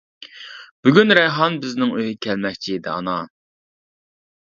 -بۈگۈن رەيھان بىزنىڭ ئۆيگە كەلمەكچى ئىدى ئانا.